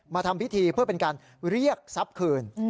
ทำพิธีเพื่อเป็นการเรียกทรัพย์คืน